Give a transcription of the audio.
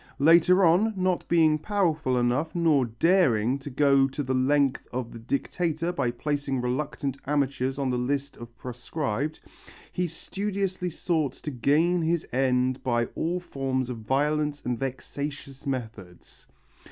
Later on, not being powerful enough nor daring to go to the length of the Dictator by placing reluctant amateurs on the list of proscribed, he studiously sought to gain his end by all forms of violence and vexatious methods.